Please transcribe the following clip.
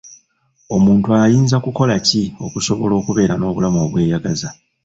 Omuntu ayinza kukola ki okusobola okubeera n'obulamu obweyagaza?